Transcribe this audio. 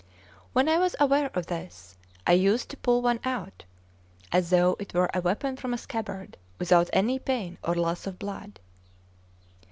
When I was aware of this, I used to pull one out, as though it were a weapon from a scabbard, without any pain or loss of blood.